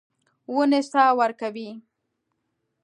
ونې سا ورکوي.